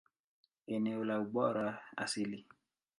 Eneo la ubora asili.